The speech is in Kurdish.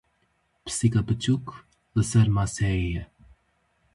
Pisîka biçûk li ser maseyê ye.